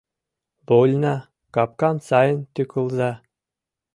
— Вольна, капкам сайын тӱкылыза!